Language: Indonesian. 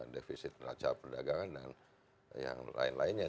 defisit neraca perdagangan dan yang lain lainnya